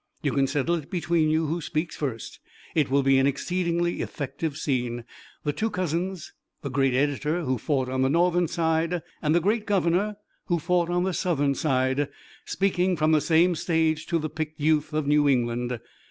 You can settle it between you who speaks first. It will be an exceedingly effective scene, the two cousins, the great editor who fought on the Northern side and the great governor who fought on the Southern side, speaking from the same stage to the picked youth of New England.